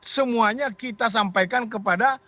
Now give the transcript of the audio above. semuanya kita sampaikan kepada